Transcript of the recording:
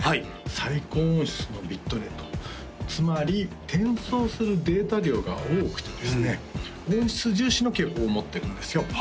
最高音質のビットレートつまり転送するデータ量が多くてですね音質重視の傾向を持ってるんですよ